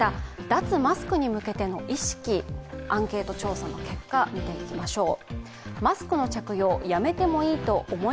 脱マスクに向けての意識、アンケート調査の結果を見ていきましょう。